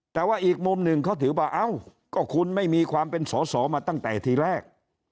แต่ว่าอีกมุมหนึ่งเขาถือว่าเอ้าก็คุณไม่มีความเป็นสอสอมาตั้งแต่ทีแรก